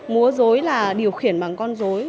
mua dối là điều khiển bằng con dối